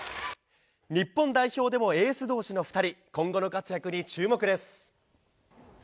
日本代表でもエースどうしの２人、今後の活躍に注目です。